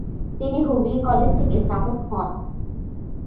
তিনি হুগলি কলেজ থেকে স্নাতক হন।